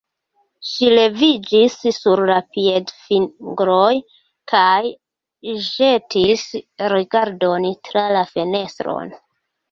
Ŝi leviĝis sur la piedfingroj kaj ĵetis rigardon tra la fenestron.